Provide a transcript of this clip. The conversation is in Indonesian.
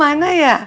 pada kemana ya